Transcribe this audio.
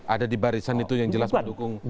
ada di barisan itu yang jelas mendukung pak jokowi